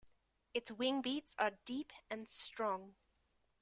Its wing beats are deep and strong.